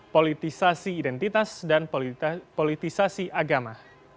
politisasi identitas dan politisasi agama